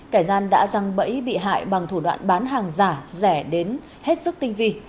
kẻ gian đã răng bẫy bị hại bằng thủ đoạn bán hàng giả rẻ đến hết sức tinh vi